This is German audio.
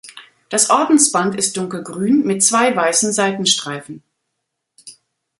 Das Ordensband ist dunkelgrün mit zwei weißen Seitenstreifen.